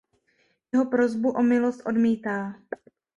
Jeho prosbu o milost odmítá.